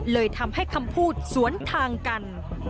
เลยทำให้คำพูดสวนทางกัน